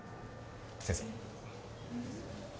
先生。